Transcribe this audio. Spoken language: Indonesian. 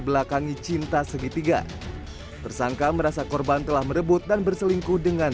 belakangi cinta segitiga tersangka merasa korban telah merebut dan berselingkuh dengan